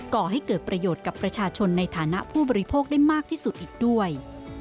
ก่อให้เกิดประโยชน์กับประชาชนในฐานะผู้บริโภคได้มากที่สุดอีกด้วย